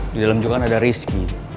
di dalam juga ada rizky